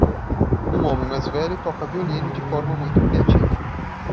Um homem mais velho toca violino de forma muito criativa.